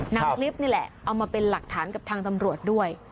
นำคลิปนี่แหละเอามาเป็นหลักฐานกับทางตำรวจด้วย